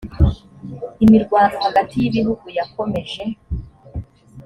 imirwano hagati y ibihugu yakomeje